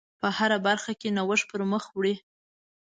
په هره برخه کې نوښت پر مخ وړئ.